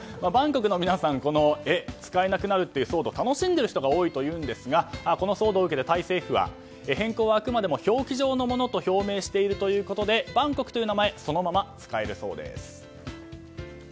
バンコクの皆さん使えなくなるという騒動を楽しんでいる人も多いというんですがこの騒動を受けてタイ政府は、変更はあくまでも表記上のものと表明してるということでバンコクという名前はそのまま使えるそうです。